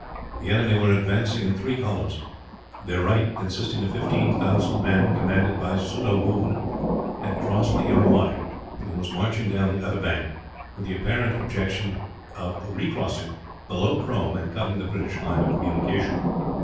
The enemy were advancing in three columns. Their right consisting of 15,000 men, commanded by Sudda Woon had crossed the Irrawaddy, and was marching down the other bank; with the apparent object of recrossing, below Prome, and cutting the British line of communication.